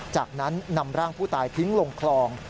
จากนั้นนำร่างผู้ตายทิ้งลงคลอง